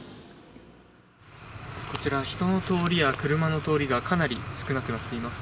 こちらは人の通りや車の通りがかなり少なくなっています。